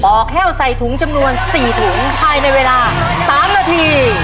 แห้วใส่ถุงจำนวน๔ถุงภายในเวลา๓นาที